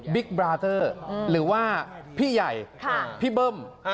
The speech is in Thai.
บิ๊กบราเจอร์หรือว่าพี่ใหญ่ฮ่าพี่เบิ้ลเนี่ย